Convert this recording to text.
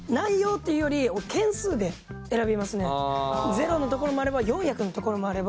ゼロのところもあれば４００のところもあれば。